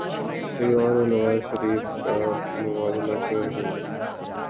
عمرا ن اور نواز شریف کا موازنہ کیوں نہیں